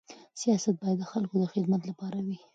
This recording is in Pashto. سیاست باید د خلکو د خدمت لپاره وي.